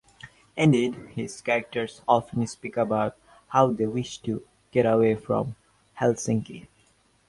Indeed, his characters often speak about how they wish to get away from Helsinki.